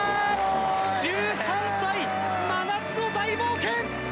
１３歳、真夏の大冒険！